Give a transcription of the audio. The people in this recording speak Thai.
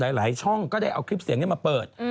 หลายช่องก็ได้เอาคลิปเสียงนี้มาเปิด